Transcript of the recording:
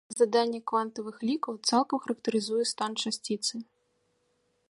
Заданне квантавых лікаў цалкам характарызуе стан часціцы.